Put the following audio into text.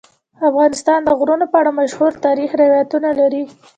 افغانستان د غرونه په اړه مشهور تاریخی روایتونه لري.